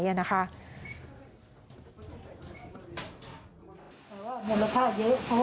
ไม่ต่างจาก